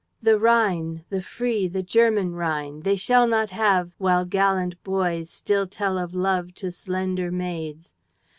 "'The Rhine, the free, the German Rhine They shall not have while gallant boys Still tell of love to slender maids.